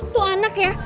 tuh anak ya